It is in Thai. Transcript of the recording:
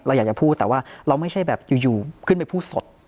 อยากจะพูดแต่ว่าเราไม่ใช่แบบอยู่ขึ้นไปพูดสด